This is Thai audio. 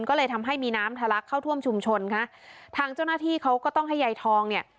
ก็เลยทำให้มีน้ำทะลักเข้าท่วมชุมชนค่ะทางเจ้าหน้าที่เขาก็ต้องให้ยายทองเนี่ย